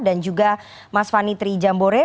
dan juga mas fani tri jambore